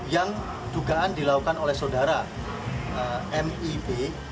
yang dugaan dilakukan oleh saudara mib